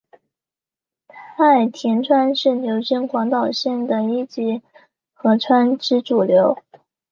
太田川是流经广岛县的一级河川之主流。